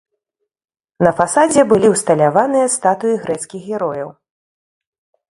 На фасадзе былі ўсталяваныя статуі грэцкіх герояў.